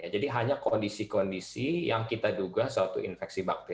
jadi hanya kondisi kondisi yang kita duga